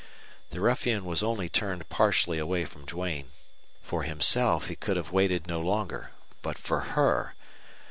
The ruffian was only turned partially away from Duane. For himself he could have waited no longer. But for her!